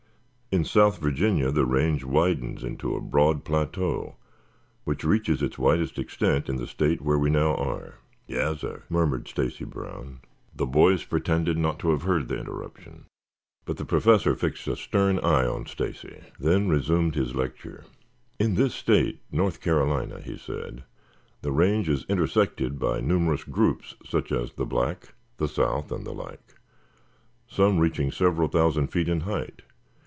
In south Virginia the range widens into a broad plateau which reaches its widest extent in the state where we now are." "Yassir," murmured Stacy Brown. The boys pretended not to have heard the interruption, but the Professor fixed a stern eye on Stacy, and then resumed his lecture. "In this state, North Carolina," he said, "the range is intersected by numerous groups, such as the Black, the South and the like, some reaching several thousand feet in height.